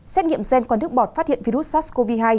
xét nghiệm gen quán nước bọt phát hiện virus sars cov hai